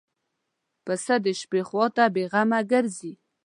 پسه د شپې خوا ته بېغمه ګرځي.